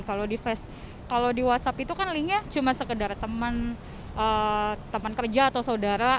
kalau di whatsapp itu kan linknya cuma sekedar teman kerja atau saudara